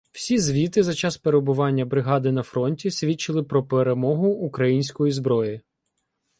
Всі звіти за час перебування бригади на фронті свідчили про перемогу української зброї.